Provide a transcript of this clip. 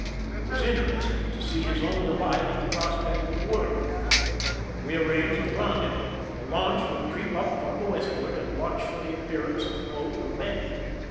It was interesting to see his own delight at the prospect of the work. We arranged the rendezvous. The launch would creep 83 THE SINKING OF THE "MEERIMAC" up from the westward and watch for the appearance of boat or men.